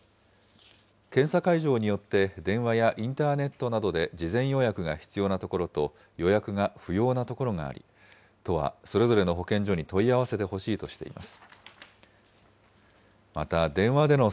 検査会場によって電話やインターネットなどで事前予約が必要なところと、予約が不要な所があり、都はそれぞれの保健所に問い合わせてほしいとしています。